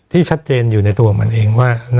ที่ชัดเจนอยู่ในตัวของมันเองว่า